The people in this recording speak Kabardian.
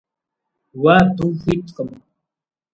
Уэ абы ухуиткъым.